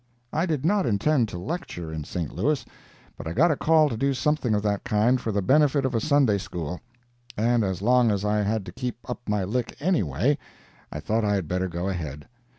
I did not intend to lecture in St. Louis, but I got a call to do something of that kind for the benefit of a Sunday School; and as long as I had to keep up my lick anyway, I thought I had better go ahead.